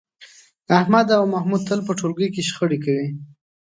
احمد او محمود تل په ټولګي کې شخړې کوي.